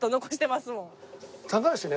高橋ね